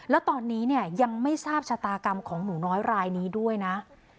แล้วตอนนี้เนี่ยยังไม่ทราบชะตากรรมของหนูน้อยรายนี้ด้วยนะ